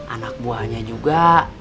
anak buahnya juga